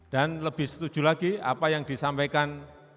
dan lebih setuju lagi apa yang disampaikan